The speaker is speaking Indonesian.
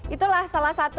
itulah salah satu